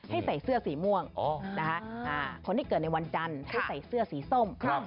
ให้ใส่เสื้อสีม่วงนะคะคนที่เกิดในวันจันทร์ให้ใส่เสื้อสีส้ม